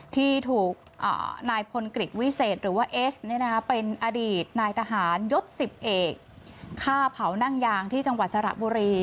ที่ถูกนายพลกริจวิเศษหรือว่าเอสเป็นอดีตนายทหารยศ๑๐เอกฆ่าเผานั่งยางที่จังหวัดสระบุรี